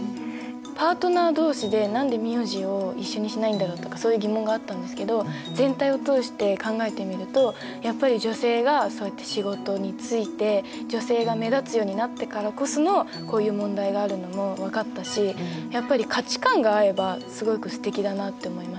パートナー同士で何で名字を一緒にしないんだろうとかそういう疑問があったんですけど全体を通して考えてみるとやっぱり女性がそうやって仕事に就いて女性が目立つようになってからこそのこういう問題があるのも分かったしやっぱり価値観が合えばすごくすてきだなって思いましたね。